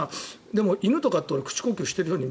でも犬とかって俺口呼吸しているように